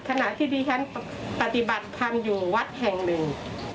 ขณะที่ดิฉันปฏิบัติธรรมอยู่วัดแห่งหนึ่ง